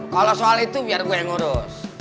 kalau soal itu biar gue yang ngurus